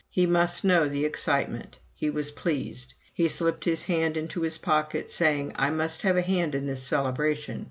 He must know the excitement. He was pleased. He slipped his hand into his pocket saying, "I must have a hand in this celebration."